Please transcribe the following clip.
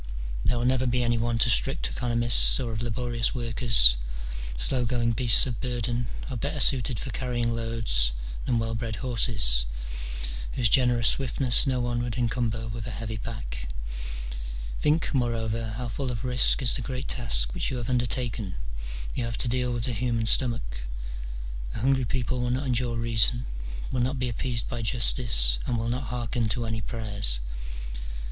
There will never be any want of strict economists or of laborious workers : slow going beasts of burden are better suited for carrying loads than well bred horses, whose generous swiftness no one would encumber with a heavy pack. Think, moreover, how full of risk is the great task which you have undertaken : you have to deal with the human stomach : a hungry people will not endure reason, will not be appeased by justice, and will not hearken to any prayers.